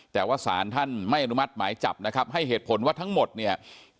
แต่ว่าสารท่านไม่อนุมัติหมายจับนะครับให้เหตุผลว่าทั้งหมดเนี่ย